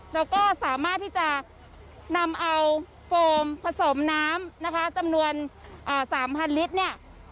เราก็สามารถที่จะนำเอาโฟมผสมน้ำนะคะจำนวนอ่าสามพันลิตรเนี้ย